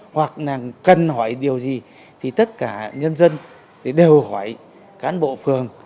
hoặc là cần hỏi điều gì thì tất cả nhân dân đều hỏi cán bộ phường